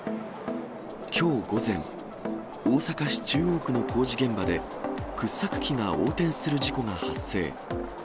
きょう午前、大阪市中央区の工事現場で、掘削機が横転する事故が発生。